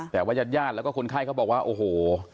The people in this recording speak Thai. แต่ว่ายาดแล้วก็คนไข้เขาบอกว่าโอ้โห